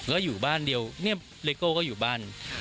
ก็อยู่บ้านเดียวเนี่ยเลโก้ก็อยู่บ้าน